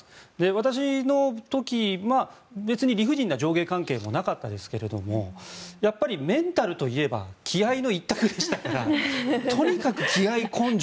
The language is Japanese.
私の時、別に理不尽な上下関係もなかったですがやっぱりメンタルといえば気合の一択でしたからとにかく気合、根性。